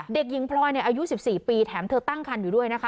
เด็กหญิงพลอยอายุ๑๔ปีแถมเธอตั้งคันอยู่ด้วยนะคะ